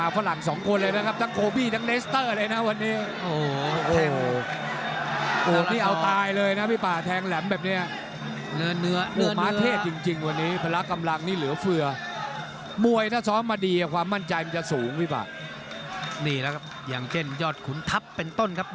วันนี้ป่าวเตรลกุลมาฝรั่งสองคนเลยนะครับ